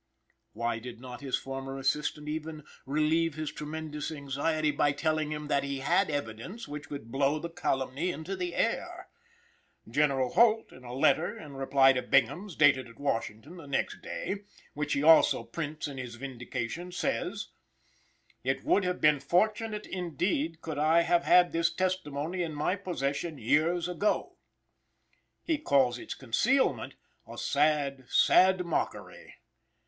Why did not his former assistant even relieve his tremendous anxiety by telling him that he had evidence which would blow the calumny into the air? General Holt, in a letter in reply to Bingham's, dated at Washington the next day, which he also prints in his Vindication, says: "It would have been fortunate indeed, could I have had this testimony in my possession years ago." He calls its concealment "a sad, sad mockery."